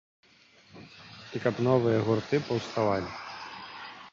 І каб новыя гурты паўставалі.